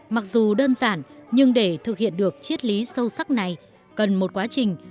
mặc dù đơn giản nhưng để thực hiện được chiết lý sâu sắc này cần một quá trình